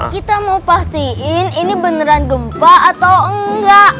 kita mau pastiin ini beneran gempa atau enggak